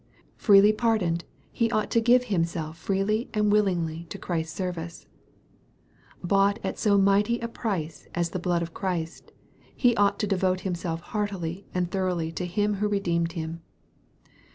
Freely pardoned, he ought to give himself freely and willingly to Christ's service. Bought at so mighty a price as the blood of Christ, he ought to devote himself heartily and thoroughly to Him who re deemed him.